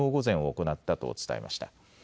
行ったと伝えました。